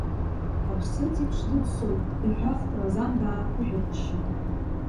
Аԥсыӡ еиԥш дыӡсоит, иҳәахт Разан дааԥышәырччан.